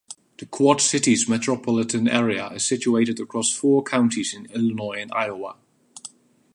The Quad Cities Metropolitan Area is situated across four counties in Illinois and Iowa.